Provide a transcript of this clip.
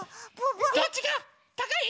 どっちがたかい？